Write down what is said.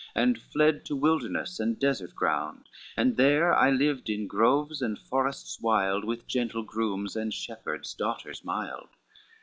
And fled to wilderness and desert ground, And there I lived in groves and forests wild, With gentle grooms and shepherds' daughters mild.